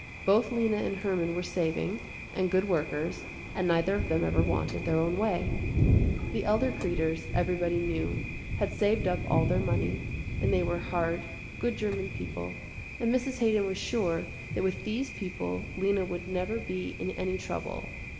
Both Lena and Herman were saving and good workers and neither of them ever wanted their own way. The elder Kreders, everybody knew, had saved up all their money, and they were hard, good german people, and Mrs. Haydon was sure that with these people Lena would never be in any trouble.